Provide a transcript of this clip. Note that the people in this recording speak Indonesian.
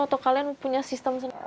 atau kalian punya sistem sendiri